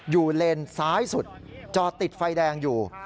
เลนซ้ายสุดจอดติดไฟแดงอยู่